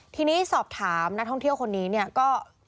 ทีนี้สอบถามนักท่องเที่ยวคนนี้เนี่ยก็